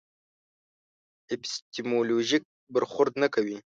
اپیستیمولوژیک برخورد نه کوي.